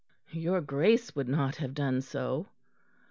"Your Grace would not have done so."